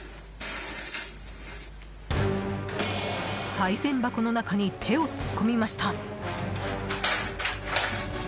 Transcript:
さい銭箱の中に手を突っ込みました。